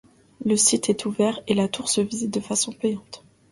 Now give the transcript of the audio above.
Le site est ouvert et la tour se visite de façon payante.